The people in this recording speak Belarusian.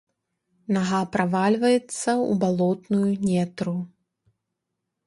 Нага правальваецца ў балотную нетру.